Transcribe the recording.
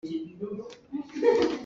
A ka khor na kheng lo.